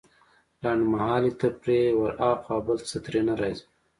لنډمهالې تفريح وراخوا بل څه ترې نه راځي.